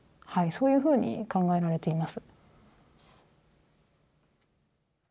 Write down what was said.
そういうふうに考えられています。